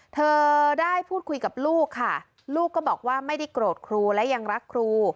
เธอได้พูดคุยกับลูกค่ะลูกก็บอกว่าไม่ได้โกรธครูและยังรักครู